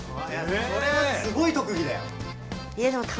これはすごいとくぎだよ！